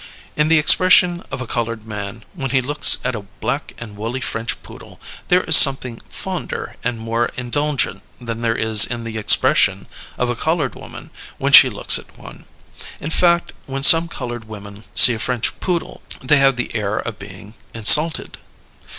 In the expression of a coloured man, when he looks at a black and woolly French Poodle, there is something fonder and more indulgent than there is in the expression of a coloured woman when she looks at one. In fact, when some coloured women see a French Poodle they have the air of being insulted.